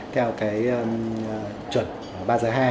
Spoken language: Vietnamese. theo cái chuẩn ba sen hai